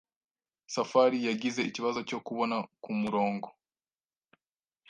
Safari yagize ikibazo cyo kubona kumurongo.